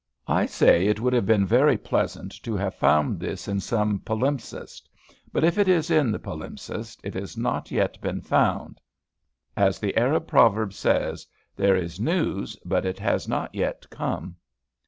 I say it would have been very pleasant to have found this in some palimpsest, but if it is in the palimpsest, it has not yet been found. As the Arab proverb says, "There is news, but it has not yet come."